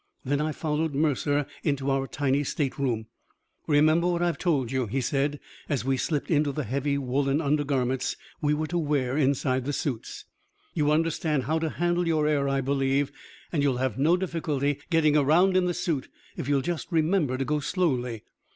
Then I followed Mercer into our tiny stateroom. "Remember what I've told you," he said, as we slipped into the heavy woolen undergarments we were to wear inside the suits. "You understand how to handle your air, I believe, and you'll have no difficulty getting around in the suit if you'll just remember to go slowly.